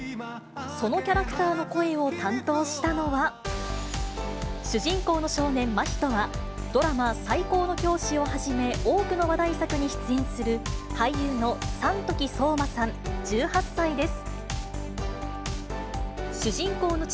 そのキャラクターの声を担当したのは、主人公の少年、眞人は、ドラマ、最高の教師をはじめ、多くの話題作に出演する俳優の山時聡真さん１８歳です。